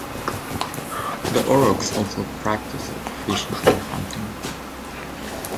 The Oroks also practiced fishing and hunting.